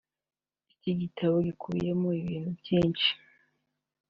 Iki gitabo gikubiyemo ibintu byinshi